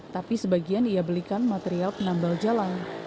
tapi sebagian ia belikan material penambal jalan